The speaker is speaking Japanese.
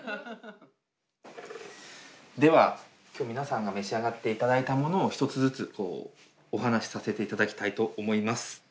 では今日皆さんが召し上がって頂いたものを一つずつこうお話しさせて頂きたいと思います。